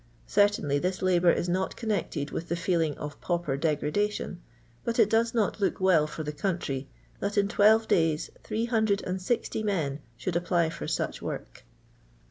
Certainly this labour is not connected with the feeling of pauper degradation, but it does not look well for the country that in twelve days 860 men should apply for sudh work.